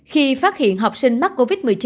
khi phát hiện học sinh mắc covid một mươi chín